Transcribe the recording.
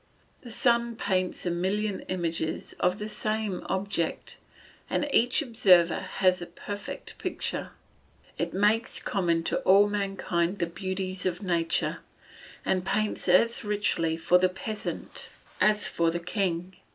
The sun paints a million images of the same object, and each observer has a perfect picture. It makes common to all mankind the beauties of nature, and paints as richly for the peasant as for the king.